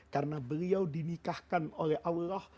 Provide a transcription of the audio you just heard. karena beliau dinikahkan oleh allah